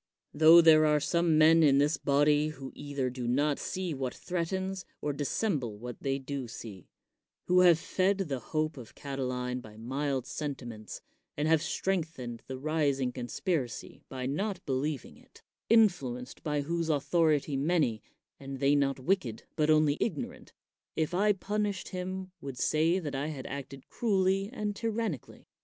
Tho there are some men in this body who 110 CICERO either do not see what threatens, or dissemble what they do see ; who have fed the hope of Cati line by mild sentiments, and have strengthened the rising conspiracy by not believing it; influ enced by whose authority many, and they not wicked, but only ignorant, if I punished him would say that I had acted cruelly and tyran nically.